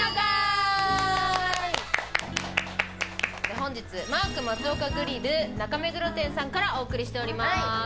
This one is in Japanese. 本日マーク・マツオカグリル中目黒店さんからお送りしております。